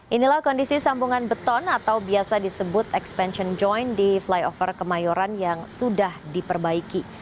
inilah kondisi sambungan beton atau biasa disebut expansion joint di flyover kemayoran yang sudah diperbaiki